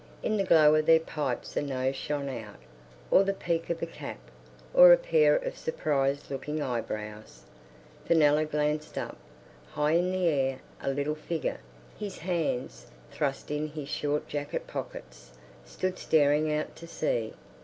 In the glow of their pipes a nose shone out, or the peak of a cap, or a pair of surprised looking eyebrows. Fenella glanced up. High in the air, a little figure, his hands thrust in his short jacket pockets, stood staring out to sea.